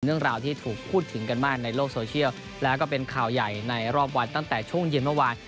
เรื่องราวที่ถูกพูดถึงกันมากในโลกโซเชียลแล้วก็เป็นข่าวใหญ่ในรอบวันตั้งแต่ช่วงเย็นเมื่อวาน